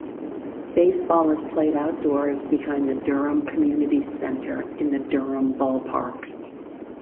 Baseball is played outdoors behind the Durham Community Centre in the Durham Ball Parks.